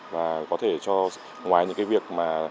và có thể cho ngoài những việc